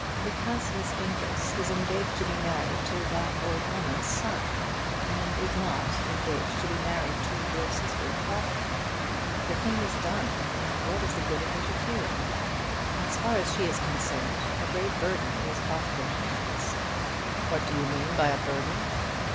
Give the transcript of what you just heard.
"Because Miss Amedroz is engaged to be married to that old woman's son, and is not engaged to be married to your sister's brother. The thing is done, and what is the good of interfering. As far as she is concerned, a great burden is off your hands." "What do you mean by a burden?"